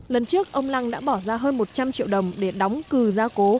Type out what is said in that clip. lần trước ông lăng đã bỏ ra hơn một trăm linh triệu đồng để đóng cừ ra cố